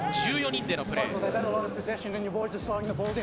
１４人でのプレー。